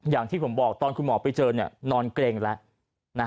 อย่างที่ผมบอกตอนคุณหมอไปเจอนอนเกร็งแล้ว